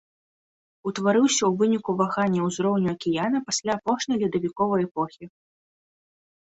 Утварыўся ў выніку вагання ўзроўню акіяна пасля апошняй ледавіковай эпохі.